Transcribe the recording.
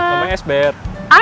namanya ice bear